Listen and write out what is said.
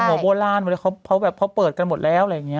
แม่หัวโบราณเพราะแบบเพราะเปิดกันหมดแล้วอะไรอย่างนี้